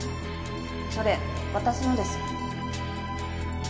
それ私のです。